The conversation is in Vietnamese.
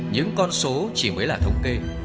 những con số chỉ mới là thông kê